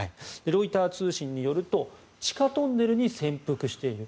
ロイター通信によりますと地下トンネルに潜伏している。